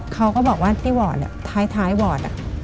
เขาก็บอกว่าพี่หวอดอะท้ายหวอดอะ